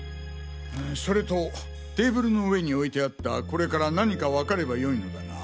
それとテーブルの上に置いてあったコレから何か分かればよいのだが。